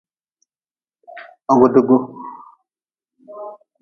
Hogdgu.